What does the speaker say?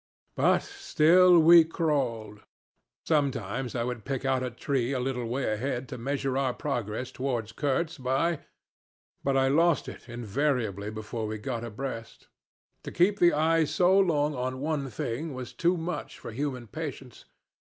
But still we crawled. Sometimes I would pick out a tree a little way ahead to measure our progress towards Kurtz by, but I lost it invariably before we got abreast. To keep the eyes so long on one thing was too much for human patience.